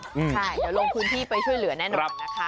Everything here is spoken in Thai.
เดี๋ยวลองคุณพี่ไปช่วยเหลือแน่นอนนะคะ